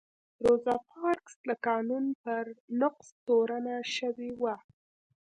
روزا پارکس د قانون پر نقض تورنه شوې وه.